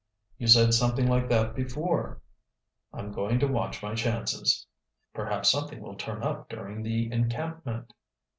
"You said something like that before." "I'm going to watch my chances." "Perhaps something will turn up during the encampment."